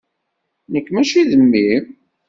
Nekk mačči d mmi-m.